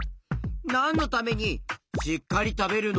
なんのためにしっかりたべるの？